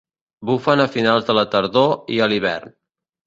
Bufen a finals de la tardor i a l'hivern.